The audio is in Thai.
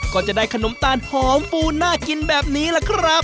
ก็จะได้ขนมตาลหอมฟูน่ากินแบบนี้ล่ะครับ